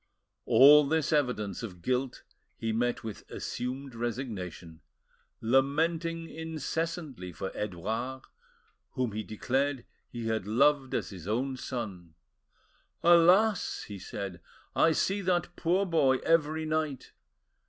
All this evidence of guilt he met with assumed resignation, lamenting incessantly for Edouard, whom he declared he had loved as his own son. "Alas!" he said, "I see that poor boy every night!